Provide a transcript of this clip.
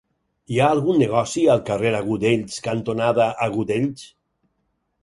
Hi ha algun negoci al carrer Agudells cantonada Agudells?